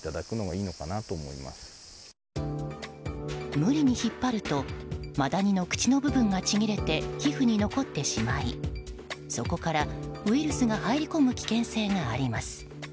無理に引っ張るとマダニの口の部分がちぎれて皮膚に残ってしまいそこからウイルスが入り込む危険性があります。